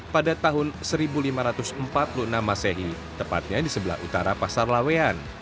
pada tahun seribu lima ratus empat puluh enam masehi tepatnya di sebelah utara pasar lawean